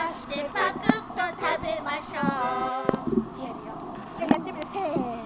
「パクっとたべましょう」。